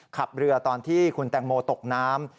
ขับเรือตอนที่คุณแตงโมตกน้ำ